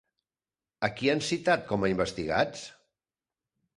A qui han citat com a investigats?